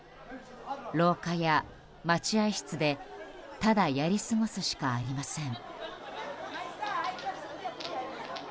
廊下や待合室でただやり過ごすしかありません。